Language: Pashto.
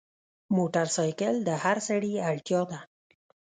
موټرسایکل د هر سړي اړتیا ده.